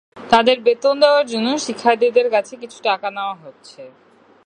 তাঁদের বেতন দেওয়ার জন্য শিক্ষার্থীদের কাছ থেকে কিছু টাকা নেওয়া হচ্ছে।